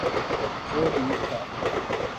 وہ دور تھا۔